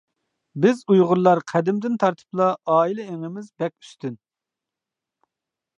بىز ئۇيغۇرلار قەدىمدىن تارتىپلا ئائىلە ئېڭىمىز بەك ئۈستۈن.